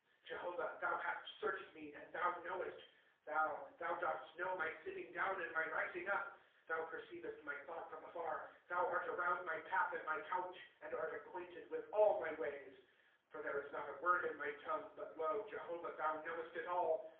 ' Jehovah, thou hast searched me, and thou knowest. * Thou, thou dost know my sitting down and my rising up ; Thou perceivost my thought from afar. ^ Thou art around mj path and my couch, And art acquainted with all my ways. * For there is not a word in my tongue. But lo, Jehovah, thou knowest it all.